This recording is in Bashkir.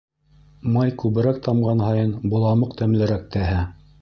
Май күберәк тамған һайын боламыҡ тәмлерәк тәһә.